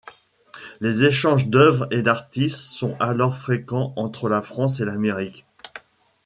Les échanges d’œuvres et d’artistes sont alors fréquents entre la France et l’Amérique.